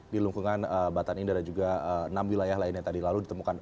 di lingkungan bata indra juga enam wilayah lainnya tadi lalu ditemukan